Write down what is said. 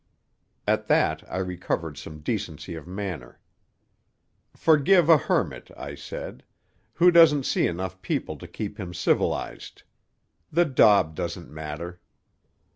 At that I recovered some decency of manner. "Forgive a hermit," I said, "who doesn't see enough people to keep him civilized. The daub doesn't matter."